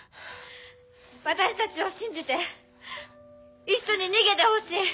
私たちを信じて一緒に逃げてほしい。